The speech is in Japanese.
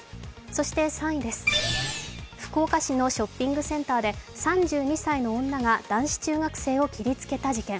そして３位です、福岡市のショッピングセンターで３２歳の女が男子中学生を切りつけた事件。